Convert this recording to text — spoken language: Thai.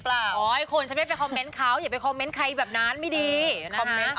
มันไม่อยากให้เป็นเรื่อง